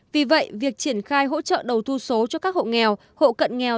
vì vậy việc triển khai hỗ trợ đầu tư số cho các hộ nghèo hộ cận nghèo